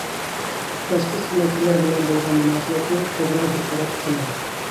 باشقا خىزمەتچىلەر بىلەن بولغان مۇناسىۋەتنى توغرا بىر تەرەپ قىلىڭ.